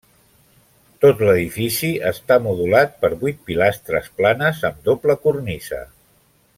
Tot l'edifici està modulat per vuit pilastres planes amb doble cornisa.